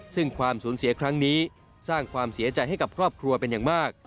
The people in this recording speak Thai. ซึ่งความสูญเสียครั้งนี้สร้างความเสียใจให้กับครอบครัวเป็นอย่างมาก